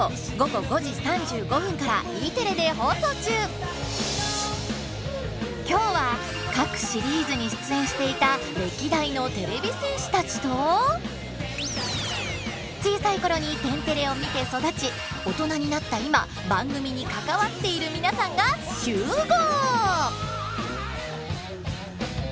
今は今日は各シリーズに出演していた歴代のてれび戦士たちと小さい頃に「天てれ」を見て育ちオトナになった今番組に関わっている皆さんが集合！